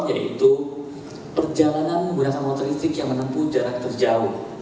yaitu perjalanan menggunakan motor listrik yang menempuh jarak terjauh